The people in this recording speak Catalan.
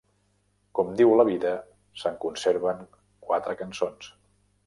Com diu la vida, se'n conserven quatre cançons.